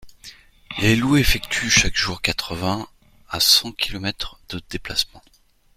Les loups effectuent chaque jour quatre-vingts à cent kilomètres de déplacement.